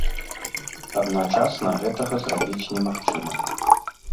Адначасна гэтага зрабіць немагчыма.